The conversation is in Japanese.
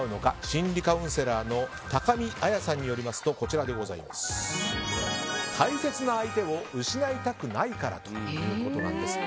心理カウンセラーの高見綾さんによりますと大切な相手を失いたくないからということなんです。